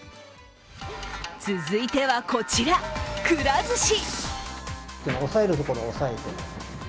続いては、こちら、くら寿司。